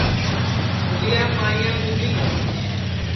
گُلیا پاٹِؔیام ڈُؔوٻی گا